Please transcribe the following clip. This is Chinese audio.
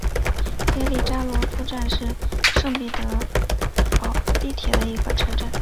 耶利扎罗夫站是圣彼得堡地铁的一个车站。